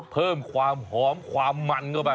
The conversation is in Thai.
เพิ่มความหอมความมันเข้าไป